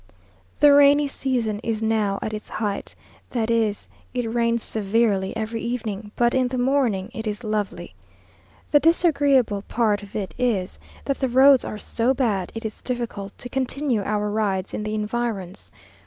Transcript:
The rainy season is now at its height; that is, it rains severely every evening, but in the morning it is lovely. The disagreeable part of it is, that the roads are so bad, it is difficult to continue our rides in the environs.